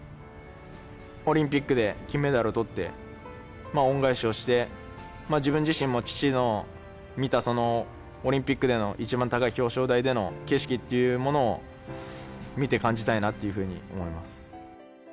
オリンピックで金メダルをとって、恩返しをして、自分自身も父の見たオリンピックでの一番高い表彰台での景色っていうものを見て感じたいなというふうに思います。